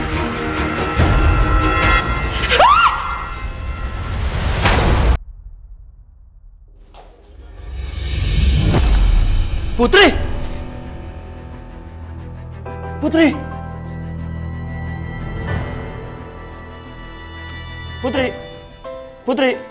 kau bisa jatuh sih